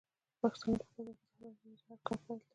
د پښتنو په کلتور کې د خدای ویره د هر کار پیل دی.